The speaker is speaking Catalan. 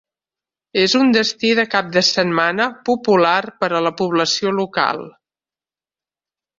És un destí de cap de setmana popular per a la població local.